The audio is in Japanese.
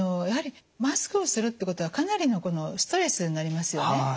やはりマスクをするってことがかなりのストレスになりますよね。